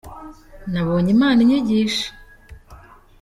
Nabonye imana inyigisha